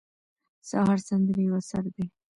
د سهار سندرې یو اثر دی.